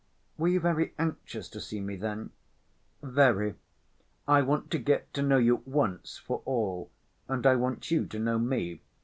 "Were you very anxious to see me, then?" "Very. I want to get to know you once for all, and I want you to know me.